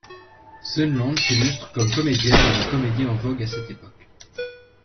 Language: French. Söneland s’illustre comme comédienne dans les comédie en vogue à cette époque.